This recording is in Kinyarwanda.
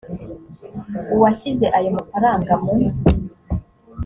uwashyize ayo mafaranga mu